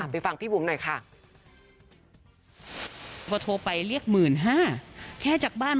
ฟังพี่บุ๋มหน่อยค่ะ